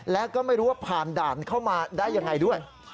และก็ไม่รู้ว่าผ่านด่านเข้ามาได้ยังไงด้วย